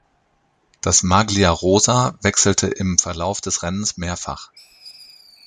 Das Maglia Rosa wechselte im Verlauf des Rennens mehrfach.